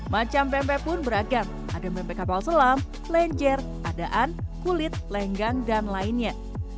macam pempek pun beragam ada pempek kapal selam lenjer adaan kulit lenggang dan lainnya